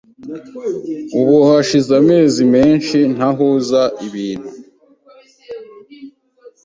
Ubu hashize amezi menshi ntahuza nibintu.